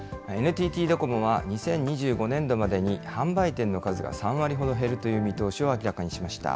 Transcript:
ＮＴＴドコモは２０２５年度までに販売店の数が３割ほど減るという見通しを明らかにしました。